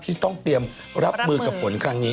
ที่ต้องเตรียมรับมือกับฝนครั้งนี้